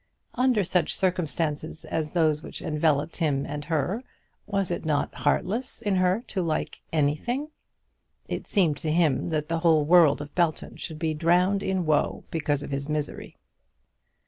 Under such circumstances as those which enveloped him and her, was it not heartless in her to like anything? It seemed to him that the whole world of Belton should be drowned in woe because of his misery.